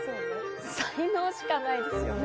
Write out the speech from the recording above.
才能しかないですよね。